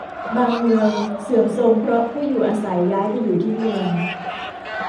บางเมืองเสื่อมโทรมเพราะผู้อยู่อาศัยย้ายไปอยู่ที่เมือง